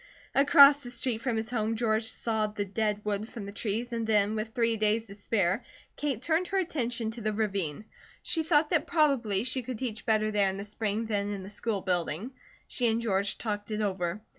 Across the street from his home George sawed the dead wood from the trees and then, with three days to spare, Kate turned her attention to the ravine. She thought that probably she could teach better there in the spring than in the school building. She and George talked it over.